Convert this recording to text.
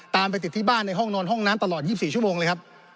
ไปติดที่บ้านในห้องนอนห้องน้ำตลอด๒๔ชั่วโมงเลยครับ